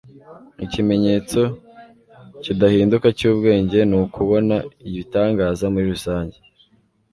ikimenyetso kidahinduka cy'ubwenge ni ukubona ibitangaza muri rusange